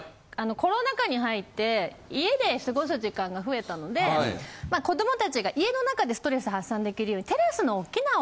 コロナ禍に入って家で過ごす時間が増えたので子供達が家の中でストレス発散できるように。